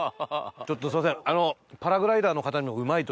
ちょっとすいません。